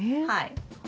はい。